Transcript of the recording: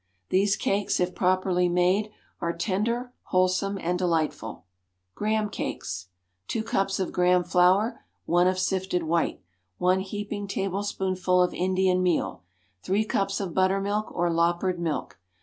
These cakes if properly made, are tender, wholesome and delightful. Graham Cakes. Two cups of Graham flour. One of sifted white. One heaping tablespoonful of Indian meal. Three cups of buttermilk, or loppered milk.